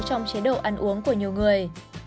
trong chế độ ăn uống của nhiều người